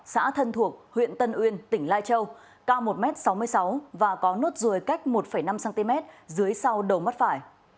xã thân thuộc huyện tân uyên tỉnh lai châu cao một m sáu mươi sáu và có nốt ruồi cách một năm cm dưới sau đầu mắt phải